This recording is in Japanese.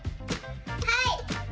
はい！